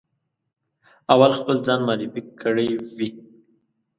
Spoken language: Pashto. اول خپل ځان معرفي کړی وي.